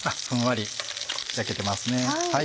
ふんわり焼けてますね。